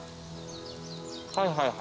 はいはい。